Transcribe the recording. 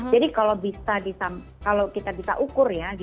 jadi kalau kita bisa ukur ya